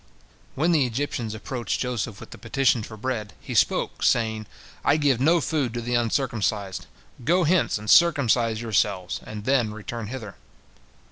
When the Egyptians approached Joseph with the petition for bread, he spoke, saying, "I give no food to the uncircumcised. Go hence, and circumcise yourselves, and then return hither."